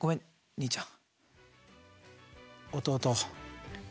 兄ちゃん。